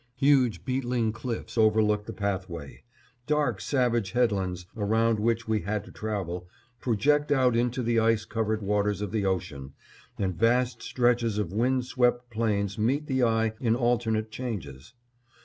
Huge beetling cliffs overlook the pathway; dark savage headlands, around which we had to travel, project out into the ice covered waters of the ocean, and vast stretches of wind swept plains meet the eye in alternate changes.